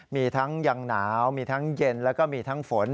มีทั้งยังหนาวมีทั้งเย็นแล้วก็มีทั้งฝน